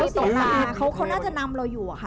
ส่งมาเขาน่าจะนำเราอยู่อะค่ะ